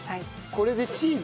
これでチーズ？